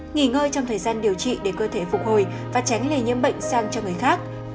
nghỉ ngơi trong thời gian điều trị để cơ thể phục hồi và tránh lây nhiễm bệnh sang cho người khác